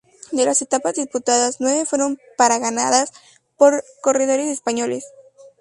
De las etapas disputadas, nueve fueron para ganadas por corredores españoles.